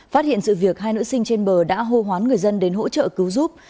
phát hiện sự việc hai nữ sinh trên bờ đã hô hoán người dân đến hỗ trợ cứu giúp